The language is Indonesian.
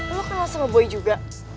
eh lo kenal sama boy juga